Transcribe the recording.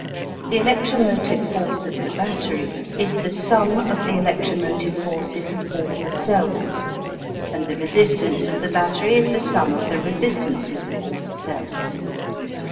The electromotive force of the battery is the sum of the electromotive forces of all the cells, and the resistance of the battery is the sum of the resistances of all the cells.